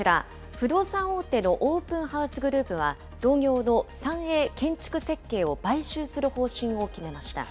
不動産大手のオープンハウスグループは、同業の三栄建築設計を買収する方針を決めました。